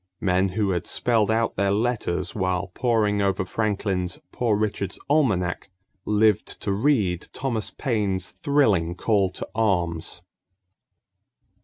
Men who had spelled out their letters while poring over Franklin's Poor Richard's Almanac lived to read Thomas Paine's thrilling call to arms.